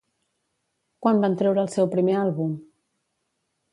Quan van treure el seu primer àlbum?